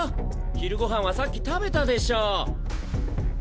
昼ご飯はさっき食べたでしょ！